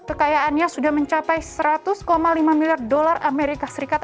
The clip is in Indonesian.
kekayaannya sudah mencapai seratus lima miliar dolar amerika serikat